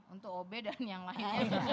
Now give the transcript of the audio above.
untuk obe dan yang lainnya